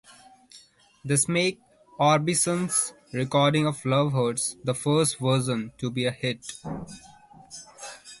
This makes Orbison's recording of "Love Hurts" the first version to be a hit.